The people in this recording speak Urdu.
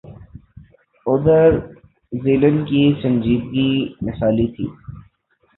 ادھر ڈیلن کی سنجیدگی مثالی تھی۔